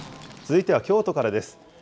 続いては京都からです。